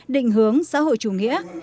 định hướng xã hội chủ nghĩa